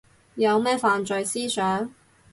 有咩犯罪思想